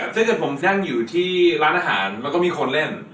ถ้าเกิดผมนั่งอยู่ที่ร้านอาหารมันก็มีคนเล่น